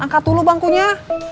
angkat dulu bangkunya